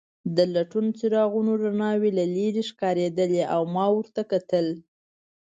د لټون څراغونو رڼاوې له لیرې ښکارېدلې او ما ورته کتل.